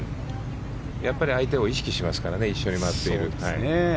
相手を意識しますからね一緒に回っている。